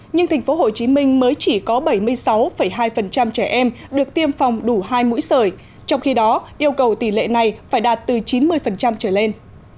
nhưng tp hcm mới chỉ có bảy mươi sáu hai trẻ em được tiêm phòng đủ hai mũi sởi trong khi đó yêu cầu tỷ lệ này phải đạt từ chín mươi trở lên